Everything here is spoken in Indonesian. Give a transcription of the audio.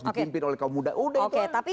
dikimpin oleh kaum muda udah itu kan oke tapi